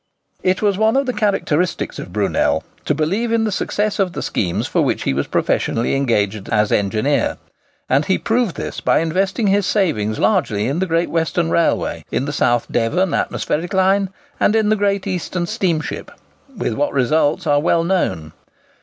It was one of the characteristics of Brunel to believe in the success of the schemes for which he was professionally engaged as engineer; and he proved this by investing his savings largely in the Great Western Railway, in the South Devon atmospheric line, and in the Great Eastern steamship, with what results are well known.